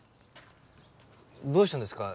どうしたんですか？